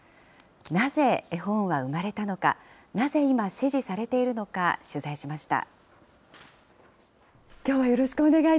なぜ絵本は生まれたのか、なぜ今、支持されているのか、取材しました。